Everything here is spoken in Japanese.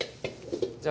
じゃあ